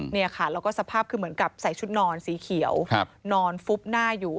เนี่ยค่ะแล้วก็สภาพคือเหมือนกับใส่ชุดนอนสีเขียวนอนฟุบหน้าอยู่